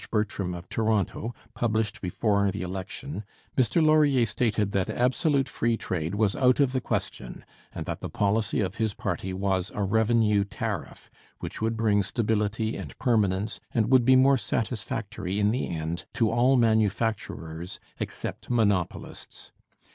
Bertram of Toronto, published before the election, Mr Laurier stated that absolute free trade was out of the question, and that the policy of his party was a revenue tariff, which would bring stability and permanence, and would be more satisfactory in the end to all manufacturers except monopolists.